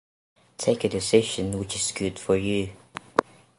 Take a decision which is good for you.